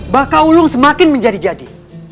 bakaulung semakin menjadi jadi